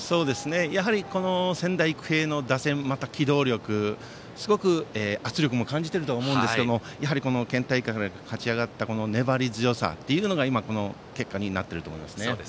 やはり、仙台育英の打線また機動力すごく圧力も感じているとは思うんですけれども県大会を勝ち上がった粘り強さがこの結果になっていると思います。